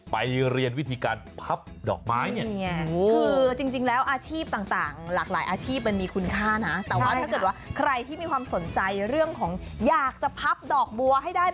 ไปเรียนวิธีการพับดอกไม้เนี่ย